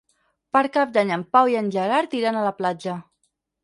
Per Cap d'Any en Pau i en Gerard iran a la platja.